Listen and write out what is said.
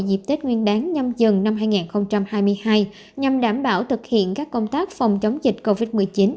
dịp tết nguyên đáng nhâm dần năm hai nghìn hai mươi hai nhằm đảm bảo thực hiện các công tác phòng chống dịch covid một mươi chín